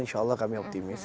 insya allah kami optimis